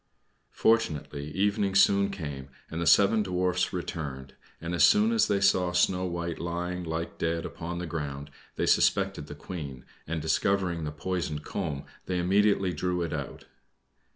Fortunately, evening soon came, and the seven Dwarfs returned, and as soon as they saw Snow White lying, like dead, upon the ground, they suspected the Queen, and discovering the poisoned comb, they immediately drew it out.